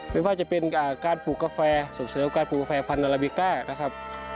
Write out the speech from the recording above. ไม่ว่าจะเป็นการปลูกกาแฟส่งเสริมการปลูกกาแฟพันธลาบิก้านะครับ